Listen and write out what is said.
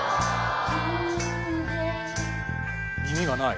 耳がない。